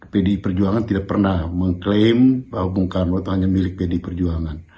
pdi perjuangan tidak pernah mengklaim bahwa bung karno itu hanya milik pdi perjuangan